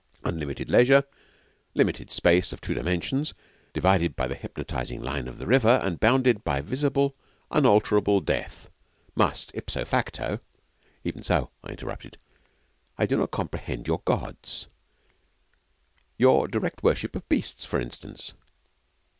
Unlimited leisure, limited space of two dimensions, divided by the hypnotising line of the River, and bounded by visible, unalterable death must, ipso facto ' 'Even so,' I interrupted. 'I do not comprehend your Gods your direct worship of beasts, for instance?'